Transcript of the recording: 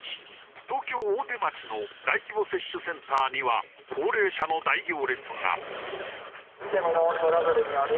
東京大手町の大規模接種センターには高齢者の大行列が。